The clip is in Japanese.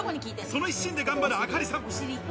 その一心で頑張るアカリさん。